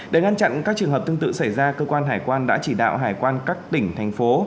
để ngăn chặn các trường hợp tương tự xảy ra cơ quan hải quan đã chỉ đạo hải quan các tỉnh thành phố